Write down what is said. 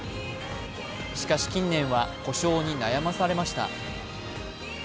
しかし近年は故障に悩まされました。